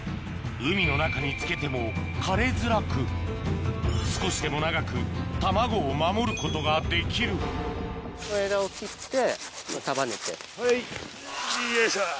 海の中につけても枯れづらく少しでも長く卵を守ることができるはいよいしょ！